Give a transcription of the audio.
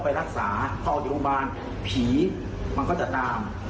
ไปรักษาต่อโดยโรงพยาบาลผีมันก็จะตาม